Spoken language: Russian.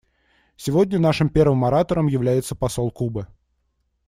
Сегодня нашим первым оратором является посол Кубы.